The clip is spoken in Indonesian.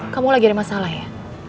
kamu lagi ada masalah ya